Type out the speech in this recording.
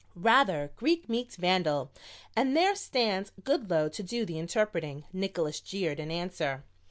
"Rather Greek meets Vandal, and there stands Goodloe to do the interpreting," Nickols jeered in answer.